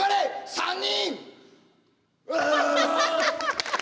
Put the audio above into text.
３人！